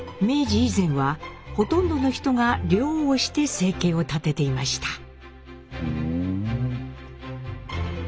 明治以前はほとんどの人が漁をして生計を立てていました。